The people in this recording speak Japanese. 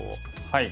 はい。